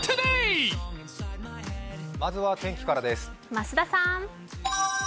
増田さん。